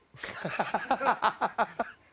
ハハハハ！